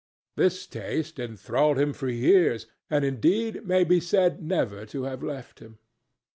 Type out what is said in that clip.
This taste enthralled him for years, and, indeed, may be said never to have left him.